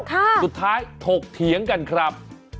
สุดท้ายถกเถียงกันครับ